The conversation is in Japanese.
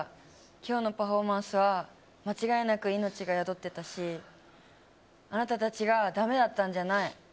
きょうのパフォーマンスは間違いなく命が宿ってたし、あなたたちがだめだったんじゃない。